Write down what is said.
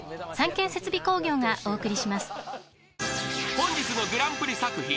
［本日のグランプリ作品。